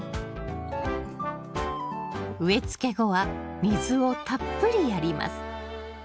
植え付け後は水をたっぷりやります。